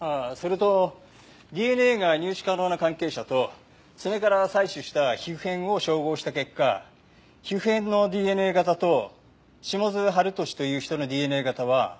ああそれとＤＮＡが入手可能な関係者と爪から採取した皮膚片を照合した結果皮膚片のＤＮＡ型と下津晴稔という人のＤＮＡ型は。